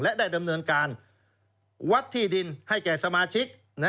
และได้ดำเนินการวัดที่ดินให้แก่สมาชิก